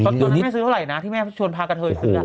ตอนนั้นแม่ซื้อเท่าไหร่นะที่แม่ชวนพากระเทยซื้อ